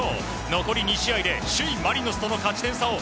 残り２試合で首位マリノスとの勝ち点差を